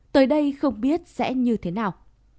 tới đây không biết sẽ như thế nào